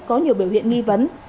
có nhiều biểu hiện nghi vấn